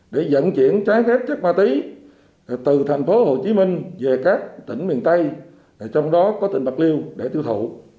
để dẫn chuyển trái phép chân ma túy từ thành phố hồ chí minh về các tỉnh miền tây trong đó có tỉnh bạc liêu để tiêu thụ